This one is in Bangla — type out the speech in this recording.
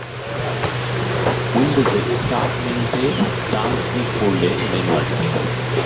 উইন্ডোজের স্টার্ট মেনুতে ডান ক্লিক করলে মেনু আসবে।